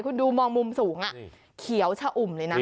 คุณดูมองมุมสูงเขียวชะอุ่มเลยนะ